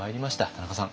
田中さん